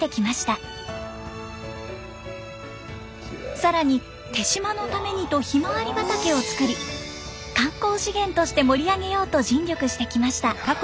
更に手島のためにとひまわり畑を作り観光資源として盛り上げようと尽力してきました。